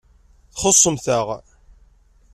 Txuṣṣem-aɣ.